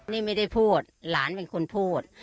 นี่ไม่ได้พูดหลานเป็นคนพูด